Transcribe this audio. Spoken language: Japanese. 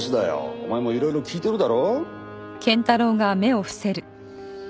お前もいろいろ聞いてるだろ？